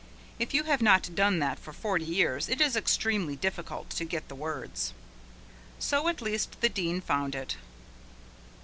If you have not done that for forty years it is extremely difficult to get the words. So at least the Dean found it.